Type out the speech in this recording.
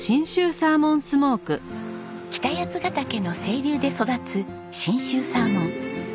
北八ヶ岳の清流で育つ信州サーモン。